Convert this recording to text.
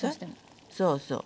そうそう。